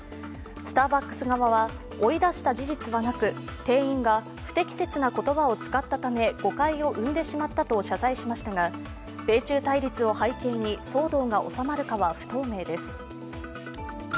スターバックス側は追い出した事実はなく、店員が不適切な言葉を使ったため誤解を生んでしまったと謝罪しましたが米中対立を背景に騒動が収まるかは不透明です。